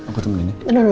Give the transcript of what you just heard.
aku temenin aku temenin ya